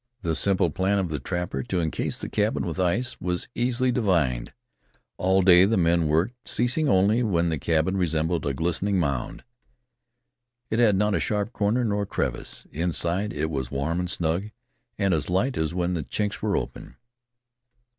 The simple plan of the trapper to incase the cabin with ice was easily divined. All day the men worked, easing only when the cabin resembled a glistening mound. It had not a sharp corner nor a crevice. Inside it was warm and snug, and as light as when the chinks were open.